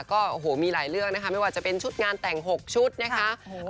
ก็โอ้โหมีหลายเรื่องนะคะไม่ว่าจะเป็นชุดงานแต่ง๖ชุดนะคะ